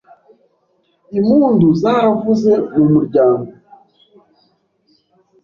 Impundu zaravuze mu muryango